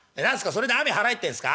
それで雨払えってんすか？